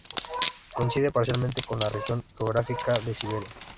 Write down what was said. Coincide parcialmente con la región geográfica de Siberia.